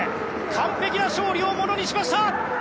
完璧な勝利をものにしました！